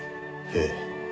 ええ。